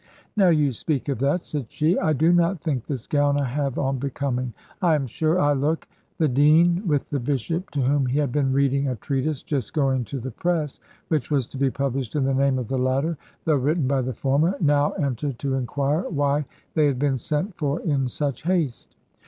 "Now you speak of that," said she, "I do not think this gown I have on becoming I am sure I look " The dean, with the bishop (to whom he had been reading a treatise just going to the press, which was to be published in the name of the latter, though written by the former), now entered, to inquire why they had been sent for in such haste.